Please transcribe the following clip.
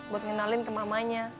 buat ngenalin ke mamanya